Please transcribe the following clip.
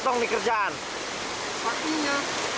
dong dikerjaan maksudnya